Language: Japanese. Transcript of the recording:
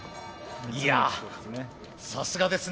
いやさすがですね。